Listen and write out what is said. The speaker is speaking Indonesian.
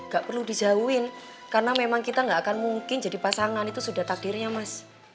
gak perlu dijauhin karena memang kita nggak akan mungkin jadi pasangan itu sudah takdirnya mas